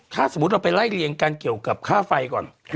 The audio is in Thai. ถ้าสมมุติเราไปไล่เรียงกันเกี่ยวกับค่าไฟก่อน